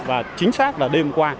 và chính xác là đêm qua